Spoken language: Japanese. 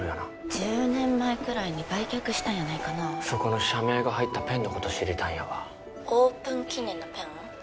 １０年前くらいに売却したんやないかなそこの社名が入ったペンのこと知りたいんやわ☎オープン記念のペン？